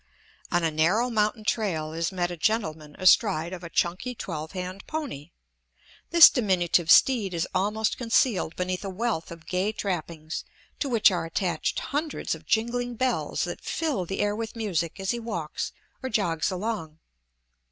On a narrow mountain trail is met a gentleman astride of a chunky twelve hand pony. This diminutive steed is almost concealed beneath a wealth of gay trappings, to which are attached hundreds of jingling bells that fill the air with music as he walks or jogs along.